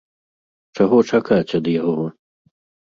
Чаго чакаць ад яго?